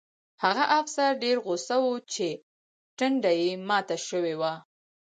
هغه افسر ډېر غوسه و چې ټنډه یې ماته شوې وه